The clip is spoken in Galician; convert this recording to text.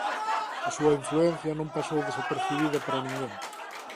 A súa influencia non pasou desapercibida para ninguén.